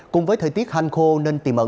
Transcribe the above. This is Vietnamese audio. cùng với thời tiết hành khô nên tìm ẩn